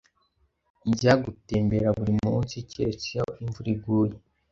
Njya gutembera buri munsi, keretse iyo imvura iguye.